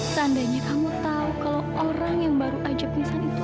tandanya kamu tahu kalau orang yang baru ajak nisan itu adalah suami kamu